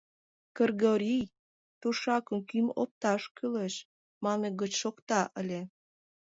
Кыргорий «Тушакын кӱм опташ кӱлеш» манме гыч шокта ыле...